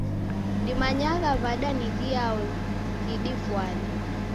Dimanyagha w'ada ni ghiao ghidifwane?